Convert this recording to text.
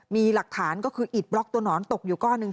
มีหลักฐานก็คืออิดบล็อกตัวหนอนตกอยู่ก้อนหนึ่ง